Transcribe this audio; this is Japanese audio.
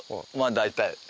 大体？